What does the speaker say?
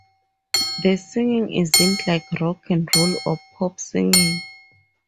The singing isn’t like rock ’n’ roll or pop singing.